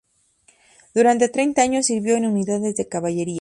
Durante treinta años sirvió en unidades de caballería.